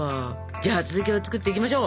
じゃあ続きを作っていきましょう。